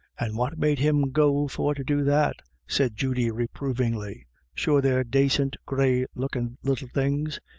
" And what made him go for to do that? " said Judy, reprovingly ;" sure they're dacint gay lookin' little things.